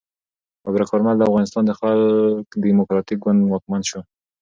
ببرک کارمل د افغانستان د خلق دموکراتیک ګوند واکمن شو.